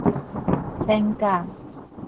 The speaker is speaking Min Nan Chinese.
千甲